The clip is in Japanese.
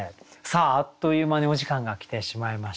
さああっという間にお時間が来てしまいました。